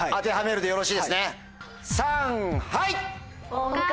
はい。